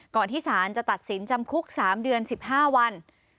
ที่สารจะตัดสินจำคุก๓เดือน๑๕วัน